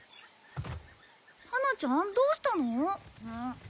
ハナちゃんどうしたの？